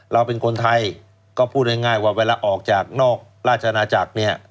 เราเป็นคนไทยก็พูดง่ายว่าเวลาออกจากนอกราชนาจักรเนี่ย